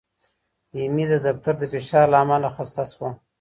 ایمي د دفتر د فشار له امله خسته شوه.